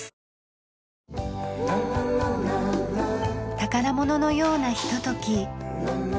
宝物のようなひととき。